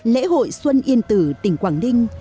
lễ hội xuân yên tử tỉnh quảng ninh